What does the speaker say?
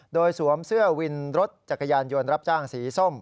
โดยสวมเสื้อวินรถจักรยานยนต์รับจ้างสีส้ม